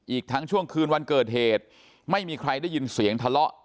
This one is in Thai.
อีกทั้งช่วงคืนวันเกิดเหตุไม่มีใครได้ยินเสียงทะเลาะ